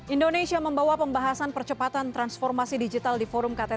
indonesia membawa pembahasan percepatan transformasi digital di forum kttg dua puluh